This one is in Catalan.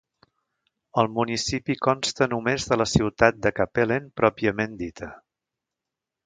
El municipi consta només de la ciutat de Kapellen pròpiament dita.